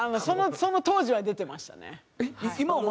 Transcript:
その当時は出てましたねはい。